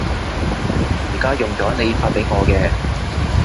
而家用咗你發畀我嘅